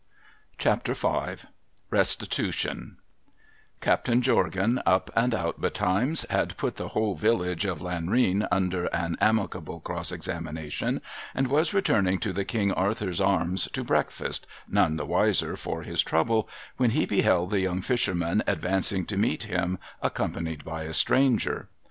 CHAPTER V THE RESTITUTION Captain Jorgan, up and out betimes, had put the whole village of Lanrean under an amicable cross examination, and was returning to the King Arthur's Arms to breakfast, none the wiser for his trouble, when he beheld the young fisherman advancing to meet him, ac companied by a stranger.